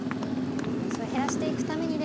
やっぱり減らしていくためにね